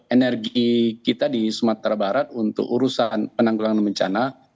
energi kita di sumatera barat untuk urusan penanggulangan bencana